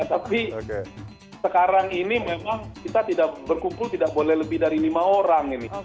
tapi sekarang ini memang kita tidak berkumpul tidak boleh lebih dari lima orang ini